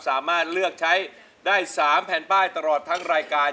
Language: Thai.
สามารถเลือกใช้ได้๓แผ่นป้ายตลอดทั้งรายการ